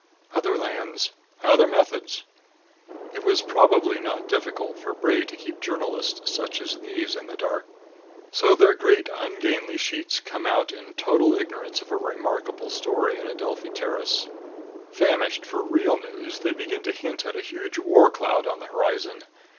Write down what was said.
Other lands, other methods. It was probably not difficult for Bray to keep journalists such as these in the dark. So their great ungainly sheets come out in total ignorance of a remarkable story in Adelphi Terrace. Famished for real news, they begin to hint at a huge war cloud on the horizon.